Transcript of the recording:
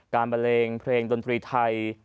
การบัลเล็งเพลงดนตรีไทย